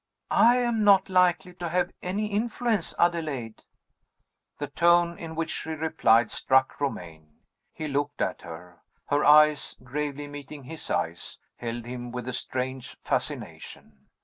"I am not likely to have any influence, Adelaide." The tone in which she replied struck Romayne. He looked at her. Her eyes, gravely meeting his eyes, held him with a strange fascination.